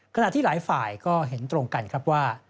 ขณะที่หลายฝ่ายก็เห็นตรงกันครับว่า